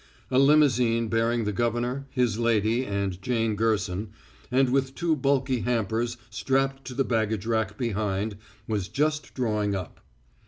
A limousine bearing the governor, his lady and Jane Gerson, and with two bulky hampers strapped to the baggage rack behind, was just drawing up.